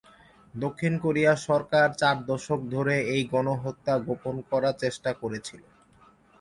দক্ষিণ কোরিয়া সরকার চার দশক ধরে এই গণহত্যা গোপন করার চেষ্টা করেছিল।